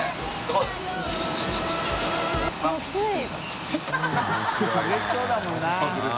うれしそうだもんな。